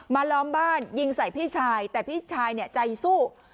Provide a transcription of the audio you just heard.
ล้อมบ้านยิงใส่พี่ชายแต่พี่ชายเนี่ยใจสู้